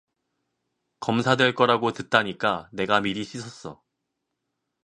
검사될 거라고 듣다니까 내가 미리 씻었어.